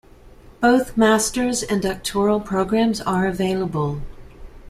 Both master's and doctoral programs are available.